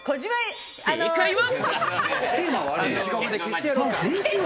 正解は。